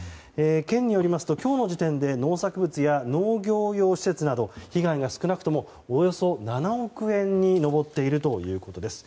県によりますと今日の時点で農作物や農業用施設などへの被害が少なくともおよそ７億円に上っているということです。